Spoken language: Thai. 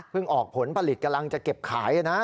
ออกผลผลิตกำลังจะเก็บขายนะ